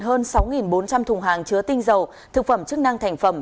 hơn sáu bốn trăm linh thùng hàng chứa tinh dầu thực phẩm chức năng thành phẩm